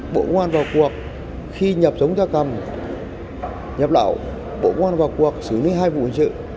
bộ ngoan vào cuộc khi nhập sống ra cầm nhập lậu bộ ngoan vào cuộc xử lý hai vụ hình trợ